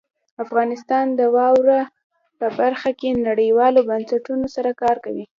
افغانستان د واوره په برخه کې نړیوالو بنسټونو سره کار کوي.